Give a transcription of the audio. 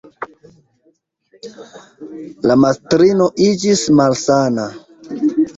La mastrino iĝis malsana.